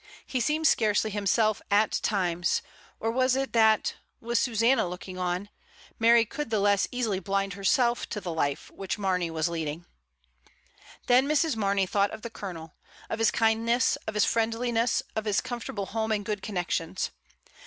He seemed scarcely himself at times; or was it that, with Susanna looking on, Mary could the less easily blind herself to the life which Mamey was leading? Then Mrs. Marney thought of the Colonel, of his kindness, of his friendliness, of his comfortable home and good connections.